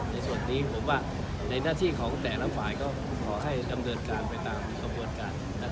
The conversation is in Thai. ในส่วนนี้ผมว่าในหน้าที่ของแต่ละฝ่ายก็ขอให้ดำเนินการไปตามกระบวนการ